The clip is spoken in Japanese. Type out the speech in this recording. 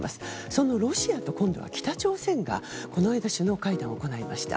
そのロシアと北朝鮮がこの間、首脳会談を行いました。